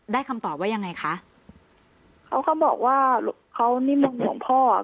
ได้คำตอบว่ายังไงคะเขาก็บอกว่าเขานิ่มหลวงหลวงพ่ออ่ะ